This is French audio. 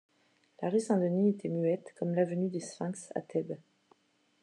La rue Saint-Denis était muette comme l’avenue des Sphinx à Thèbes.